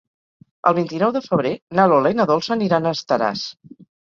El vint-i-nou de febrer na Lola i na Dolça aniran a Estaràs.